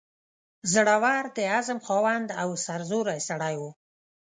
زړه ور، د عزم خاوند او سرزوری سړی وو.